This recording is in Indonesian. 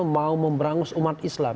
mau memberangus umat islam